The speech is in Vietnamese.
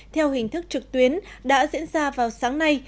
theo hình thức trực tuyến đã diễn ra vào sáng nay